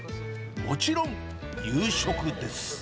もちろん夕食です。